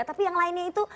tapi yang lainnya itu